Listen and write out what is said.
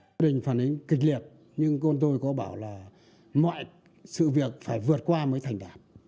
tình hình phản ánh kịch liệt nhưng con tôi có bảo là mọi sự việc phải vượt qua mới thành đảm